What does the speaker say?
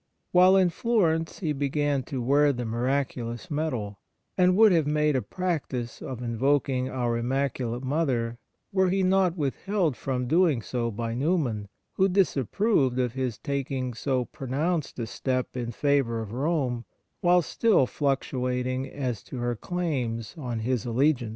While in Florence he began to wear the miraculous medal, and would have made a practice of invoking our Immaculate Mother were he not withheld from doing so by Newman, who disapproved of his taking so pronounced a step in favour of Rome whilst still fluctuating as to her claims on his allegiance.